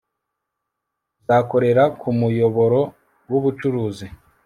kuzakorera ku muyoboro w ubucuruzi